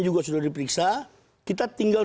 juga sudah diperiksa kita tinggal